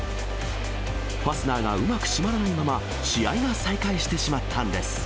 ファスナーがうまく閉まらないまま、試合が再開してしまったんです。